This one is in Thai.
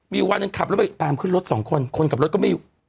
มีวันหนึ่งขับรถไปตามขึ้นรถสองคนคนขับรถก็ไม่อยู่